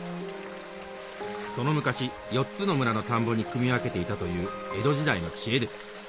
その昔４つの村の田んぼにくみ分けていたという江戸時代の知恵です